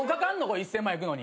１，０００万いくのに。